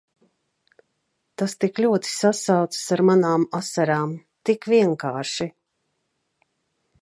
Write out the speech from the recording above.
Tas tik ļoti sasaucas ar manām asarām. Tik vienkārši!